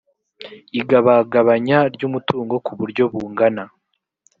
igabagabanya ry’umutungo ku buryo bungana